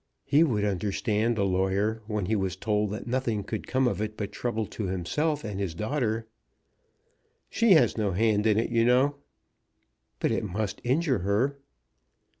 "He would understand a lawyer when he was told that nothing could come of it but trouble to himself and his daughter." "She has no hand in it, you know." "But it must injure her."